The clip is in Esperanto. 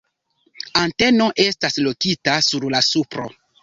Anteno estas lokita sur la supro.